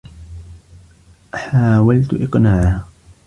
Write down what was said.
حاولت إقناعها.